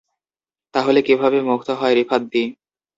তাহলে কীভাবে মুগ্ধ হয় রিফাত দ্বি।